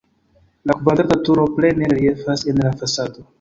La kvadrata turo plene reliefas en la fasado.